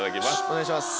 お願いします。